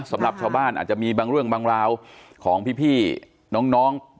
สำหรับชาวบ้านอาจจะมีบางเรื่องบางราวของพี่น้อง